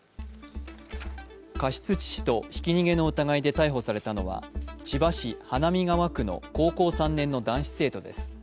過失致死とひき逃げの疑いで逮捕されたのは千葉市花見川区の高校３年の男子生徒です。